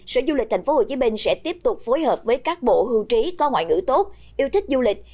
sở du lịch tp hcm sẽ tiếp tục phối hợp với các bộ hưu trí có ngoại ngữ tốt yêu thích du lịch